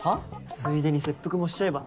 ついでに切腹もしちゃえば？